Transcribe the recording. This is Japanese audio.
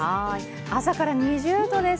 朝から２０度です。